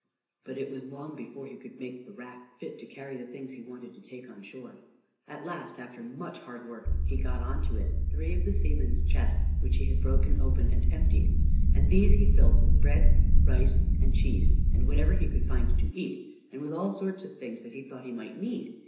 But it was long before he could make the raft fit to carry the things he wanted to take on shore. At last, after much hard work, he got on to it three of the seamen's chests, which he had broken open, and emptied, and he filled these with bread, and rice, and cheese, and whatever he could find to eat, and with all sorts of things that he thought he might need.